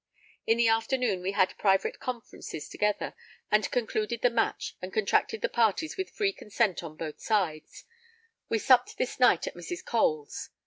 In the afternoon we had private conferences together, and concluded the match and contracted the parties with free consent on both sides; we supped this night at Mrs. Cole's.